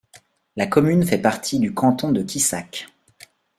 La commune fait partie du canton de Quissac.